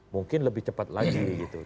mungkin lebih cepat lagi gitu